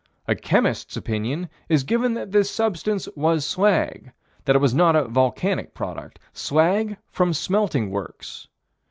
A chemist's opinion is given that this substance was slag: that it was not a volcanic product: slag from smelting works.